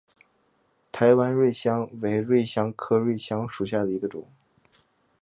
台湾瑞香为瑞香科瑞香属下的一个种。